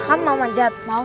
kamu mau manjat